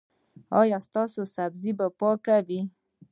ایا ستاسو سبزي به پاکه وي؟